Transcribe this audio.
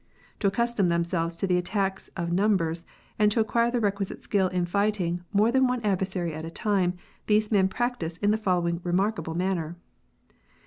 To accustom themselves to the attacks of numbers, and to acquire the requisite skill in fighting more than one adversary at a time, these men practise in the follow ing remarkable manner.